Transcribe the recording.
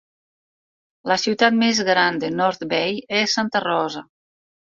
La ciutat més gran de North Bay és Santa Rosa.